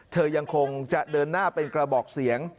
ยังคงจะเดินหน้าเป็นกระบอกเสียง